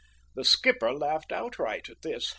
The skipper laughed outright at this.